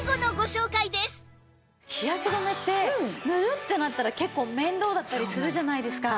日焼け止めって塗るってなったら結構面倒だったりするじゃないですか。